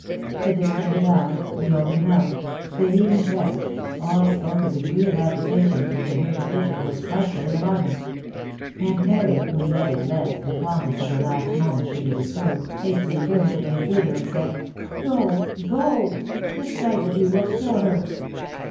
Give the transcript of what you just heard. The distended eye, the open mouth, the heaving breast, all spoke a degree of agitation, which in her condition was frightfully alarming; and Mary, who dreaded lest the calmness of her last moments should be disturbed, hastily turned to the intruder, and said, " Go, go !— the sight of you will kill her